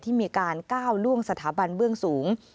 ที่มีการก้าวล่วงสถาบันเบื้องสูง